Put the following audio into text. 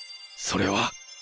それは。